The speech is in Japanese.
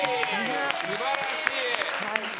素晴らしい！